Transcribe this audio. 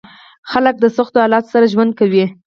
خلک د سختو حالاتو سره ژوند کوي.